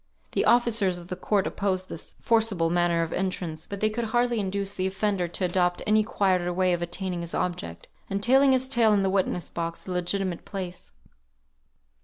The officers of the court opposed this forcible manner of entrance, but they could hardly induce the offender to adopt any quieter way of attaining his object, and telling his tale in the witness box, the legitimate place.